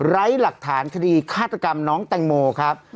ไร้หลักฐานคดีฆาตกรรมน้องแตงโมครับ